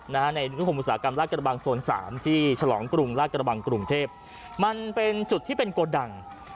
ในนิคมอุตสาหกรรมลากระบังโซนสามที่ฉลองกรุงราชกระบังกรุงเทพมันเป็นจุดที่เป็นโกดัง